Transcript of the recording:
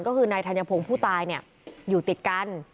ก็คือนายธัญพงศ์ผู้ตายอยู่ติดกัน